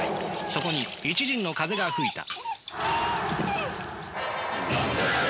そこに一陣の風が吹いた。